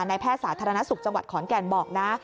แพทย์สาธารณสุขจังหวัดขอนแก่นบอกนะ